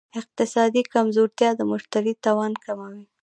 اقتصادي کمزورتیا د مشتري توان کموي.